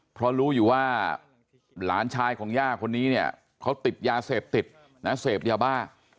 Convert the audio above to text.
เพราะรู้อยู่ว่าหลานชายของย่าคนนี้เนี่ยเขาติดยาเสพติดนะเสพยาบ้า